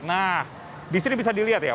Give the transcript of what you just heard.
nah disini bisa dilihat ya